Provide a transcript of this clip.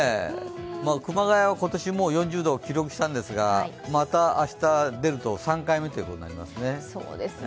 熊谷は今年もう４０度を記録したんですがまた明日出ると、３回目ということになりますね。